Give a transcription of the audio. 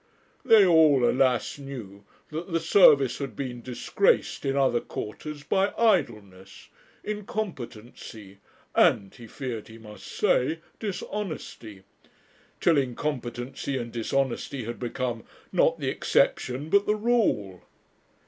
They all, alas! knew that the service had been disgraced in other quarters by idleness, incompetency, and, he feared he must say, dishonesty; till incompetency and dishonesty had become, not the exception, but the rule.